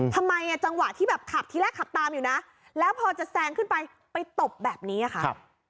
ทำไมจังหวะที่แบบขับที่แรกขับตามอยู่นะแล้วพอจะแซงขึ้นไปไปตบแบบนี้ค่ะ